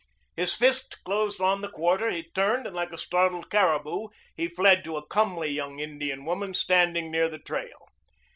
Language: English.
His fist closed on the quarter, he turned, and like a startled caribou he fled to a comely young Indian woman standing near the trail.